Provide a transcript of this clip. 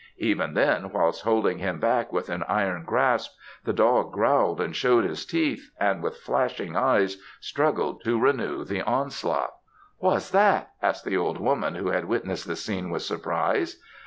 Even then, whilst holding him back with an iron grasp, the dog growled and shewed his teeth, and with flashing eyes, struggled to renew the onslaught. "Wha's that?" asked the old woman, who had witnessed the scene with surprise.